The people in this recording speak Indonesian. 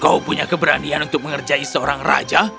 kau punya keberanian untuk mengerjai seorang raja